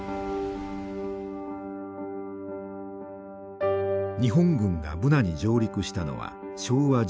日本軍がブナに上陸したのは昭和１７年７月。